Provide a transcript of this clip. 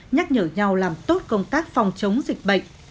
nhắc nhở nhau làm tốt công tác phòng chống dịch bệnh